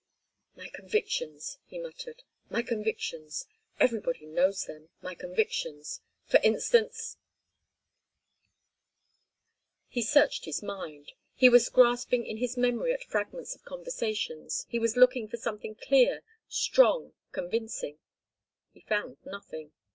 "My convictions," he muttered. "My convictions. Everybody knows them, my convictions. For instance—" He searched his mind. He was grasping in his memory at fragments of conversations, he was looking for something clear, strong, convincing; he found nothing.